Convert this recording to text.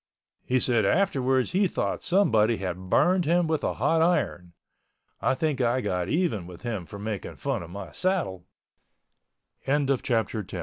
He said afterwards he thought somebody had burned him with a hot iron. I think I got even with him for making fun of my saddle! CHAPTER XI KID CURRY M